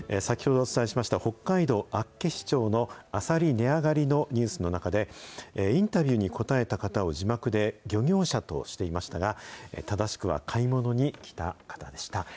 先ほどお伝えしました、北海道厚岸町のあさり値上がりのニュースの中で、インタビューに答えた方を字幕で、漁業者としていましたが、正しくは買い物に来た方でした。